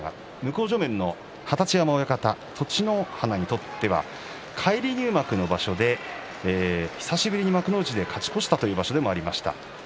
向正面の二十山親方、栃乃花にとっては返り入幕の場所で久しぶりの幕内で勝ち越した場所です。